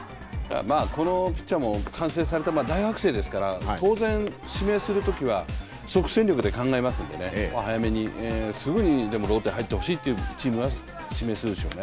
このピッチャーも完成された、大学生ですから当然、指名するときは即戦力で考えますんでね、早めに、すぐにでもローテにはいってほしいチームが指名するでしょうね。